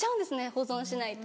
保存しないと。